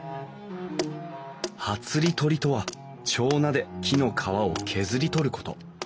はつり取りとは手斧で木の皮を削り取ること。